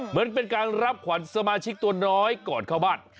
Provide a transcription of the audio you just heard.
เหมือนเป็นการรับขวัญสมาชิกตัวน้อยก่อนเข้าบ้าน